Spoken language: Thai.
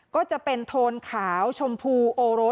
ก็จะเป็นโทนขาวชมพูโอโร